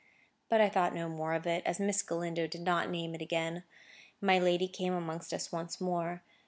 But I thought no more of it, as Miss Galindo did not name it again. My lady came amongst us once more.